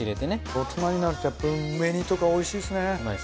大人になると梅煮とかおいしいですね。